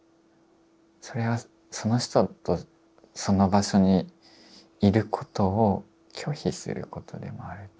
それはその人とその場所にいることを拒否することでもあるというか。